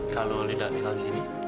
kalau lila tinggal sini